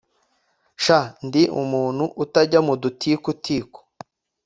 “Sha ndi umuntu utajya mu dutiku tiku